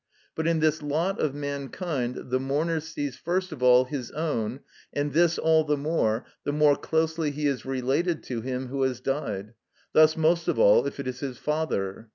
But in this lot of mankind the mourner sees first of all his own, and this all the more, the more closely he is related to him who has died, thus most of all if it is his father.